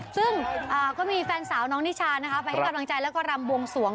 ซึ่งก็มีแฟนสาวน้องนิชานะคะไปให้กำลังใจแล้วก็รำบวงสวง